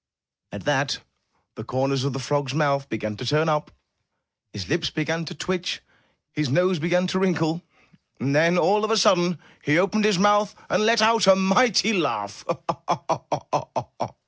At that, the corners of the frog's mouth began to turn up; his lips began to twitch, his nose began to wrinkle, and then, all of a sudden, he opened his mouth and 115 M Y BOOK HOUSE let out a mighty laugh.